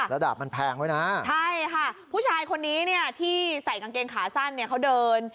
ระดับมันแพงไว้นะใช่ค่ะผู้ชายคนนี้เนี่ยที่ใส่กางเกงขาสั้นเนี่ยเขาเดิน